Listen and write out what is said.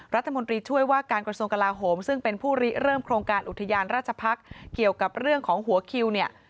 รัฐมนตรีช่วยว่าการกระทรวงกลาโหมซึ่งเป็นผู้ริเริ่มโครงการอุทยานราชพักษ์เกี่ยวกับเรื่องของหัวคิวเนี่ย